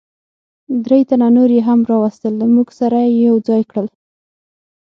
درې تنه نور یې هم را وستل، له موږ سره یې یو ځای کړل.